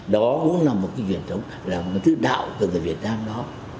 đó cũng là một chuyện đạo của người việt nam đó